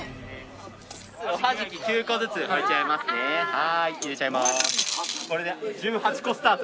はーい入れちゃいます